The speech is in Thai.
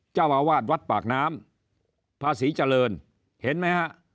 เจ้าอาวาสวัดปากน้ำพาศรีเจริญเห็นไหมฮะ